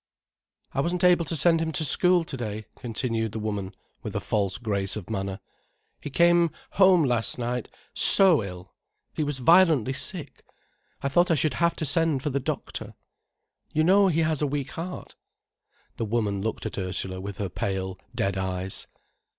"I wasn't able to send him to school to day," continued the woman, with a false grace of manner. "He came home last night so ill—he was violently sick—I thought I should have to send for the doctor.—You know he has a weak heart." The woman looked at Ursula with her pale, dead eyes.